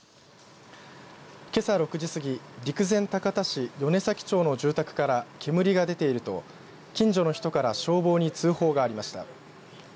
けさ６時過ぎ陸前高田市米崎町の住宅から煙が出ていると近所の人から消防に通報がありました。